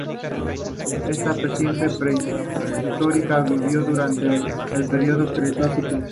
Esta especie prehistórica vivió durante el período del Cretácico.